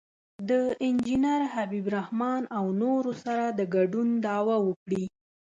د انجینر حبیب الرحمن او نورو سره د ګډون دعوه وکړي.